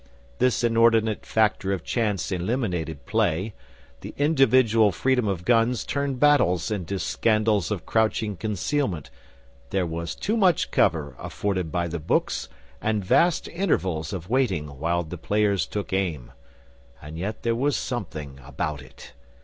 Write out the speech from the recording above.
This inordinate factor of chance eliminated play; the individual freedom of guns turned battles into scandals of crouching concealment; there was too much cover afforded by the books and vast intervals of waiting while the players took aim. And yet there was something about it....